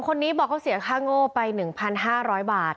คนนี้บอกเขาเสียค่าโง่ไป๑๕๐๐บาท